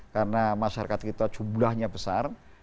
karena masyarakat kita jumlahnya besar